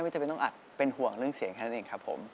จำเป็นต้องอัดเป็นห่วงเรื่องเสียงแค่นั้นเองครับผม